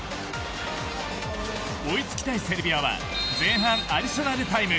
追いつきたいセルビアは前半アディショナルタイム。